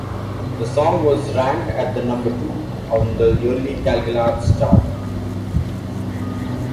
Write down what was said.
The song was ranked at number two on the yearly Galgalatz Chart.